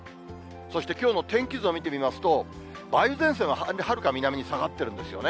そしてきょうの天気図を見てみますと、梅雨前線ははるか南に下がってるんですよね。